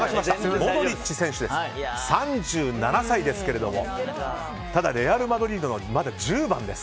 モドリッチ選手３７歳ですけれどもただレアル・マドリードのまだ１０番です。